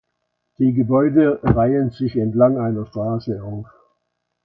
Die Gebäude reihen sich entlang einer Straße auf.